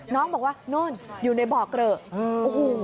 น้องบอกว่าโน่นอยู่ในบ่อเกลอะโอ้โห